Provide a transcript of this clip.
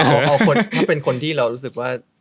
เอาคนที่เรารู้สึกว่า